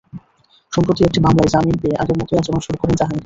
সম্প্রতি একটি মামলায় জামিন পেয়ে আগের মতোই আচরণ শুরু করেন জাহাঙ্গীর।